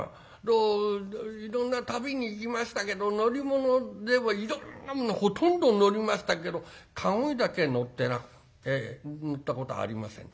いろんな旅に行きましたけど乗り物ではいろんなものほとんど乗りましたけど駕籠にだけは乗ってなくって乗ったことありません。